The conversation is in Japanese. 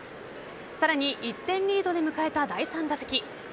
さらに１点リードで迎えた第３打席。